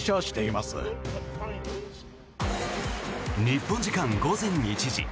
日本時間午前１時。